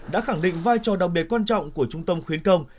đã khẳng định vai trò đặc biệt quan trọng của trung tâm khuyến công